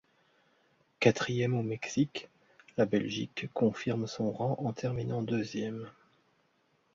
Quatrième au Mexique, la Belgique confirme son rang en terminant deuxième.